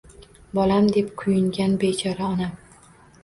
Bolam deb kuyingan bechora Onam